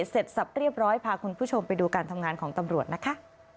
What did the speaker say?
เสร็จสับเรียบร้อยพาคุณผู้ชมไปดูการทำงานของตำรวจนะคะ